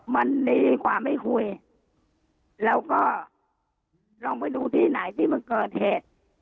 มันดีกว่าไม่คุยแล้วก็ลองไปดูที่ไหนที่มันเกิดเหตุ